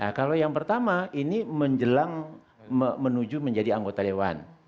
nah kalau yang pertama ini menjelang menuju menjadi anggota dewan